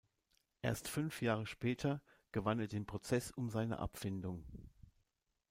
Erst fünf Jahre später gewann er den Prozess um seine Abfindung.